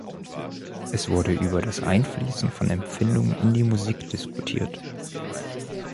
Es wurde über das Einfließen von Empfindungen in die Musik diskutiert.